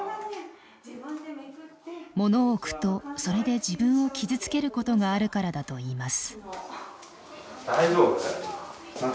物を置くとそれで自分を傷つけることがあるからだといいます。